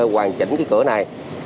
hoàn chỉnh cái cửa này